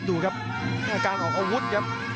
ดูครับอาการออกอาวุธครับ